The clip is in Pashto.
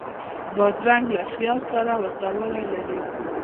بادرنګ له خیار سره ورته والی لري.